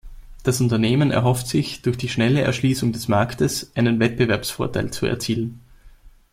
Das Unternehmen erhofft sich, durch die schnelle Erschließung des Marktes einen Wettbewerbsvorteil zu erzielen.